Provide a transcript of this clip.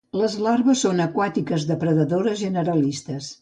Les larves són aquàtiques depredadores generalistes.